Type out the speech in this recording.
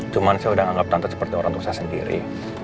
cuma saya udah anggap tante seperti orang tua saya sendiri